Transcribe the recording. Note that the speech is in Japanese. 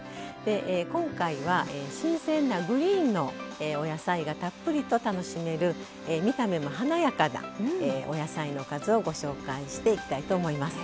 今回は新鮮なグリーンのお野菜がたっぷり楽しめる見た目も華やかなお野菜のおかずをご紹介していきたいと思います。